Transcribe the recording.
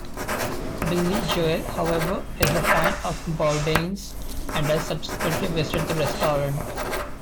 Billy Joel, however, is a fan of Bourdain's and has subsequently visited the restaurant.